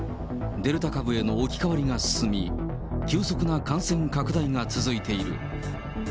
デルタ株への置き換わりが進み、急速な感染拡大が続いている。